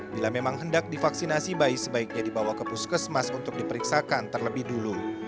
bila memang hendak divaksinasi bayi sebaiknya dibawa ke puskesmas untuk diperiksakan terlebih dulu